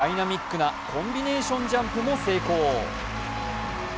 更にダイナミックなコンビネーションジャンプも成功。